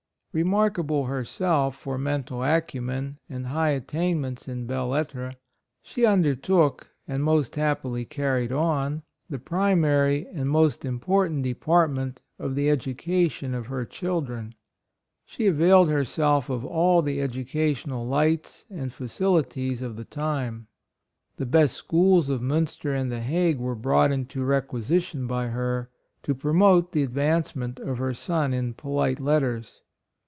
Remarkable herself for mental acumen and high attain ments in belles lettres, she under took, and most happily carried on the primary and most important department of the education of her children. She availed herself of all the educational lights and facili 32 HIS BIRTH, EDUCATION. ties of the times. The best schools of Minister and the Hague were brought into requisition by her, to promote the advancement of her son in polite letters.